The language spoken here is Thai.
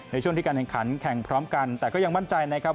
ในช่วงที่การแข่งขันแข่งพร้อมกันแต่ก็ยังมั่นใจนะครับ